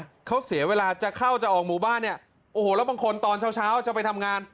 ถ้าเขาเสียเวลาจะเข้าจะออกหมู่บ้านเนี่ยโอ้โหแล้วบางคนตอนเช้าเช้าจะไปทำงาน